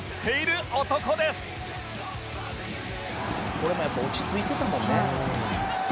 「これもやっぱ落ち着いてたもんね」